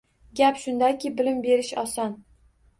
Gap shundaki, bilim berish oson